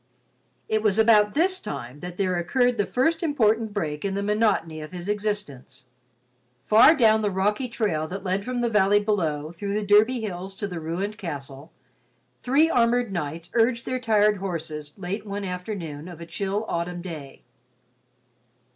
It was about this time that there occurred the first important break in the monotony of his existence. Far down the rocky trail that led from the valley below through the Derby hills to the ruined castle, three armored knights urged their tired horses late one afternoon of a chill autumn day.